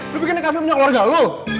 lo bikinnya kafe punya keluarga lo